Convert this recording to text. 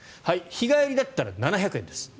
日帰りだったら７００円です。